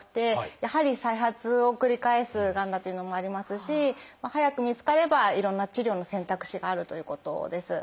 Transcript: やはり再発を繰り返すがんだというのもありますし早く見つかればいろんな治療の選択肢があるということです。